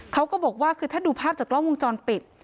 เขาก็บอกว่าคือถ้าดูภาพจากกล้องวงจรปิด